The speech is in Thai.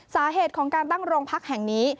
สาเหตุของการตั้งโรงพักแห่งนี้